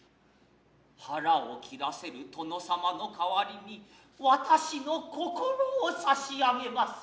腹を切らせる殿様のかはりに私の心を差上げます。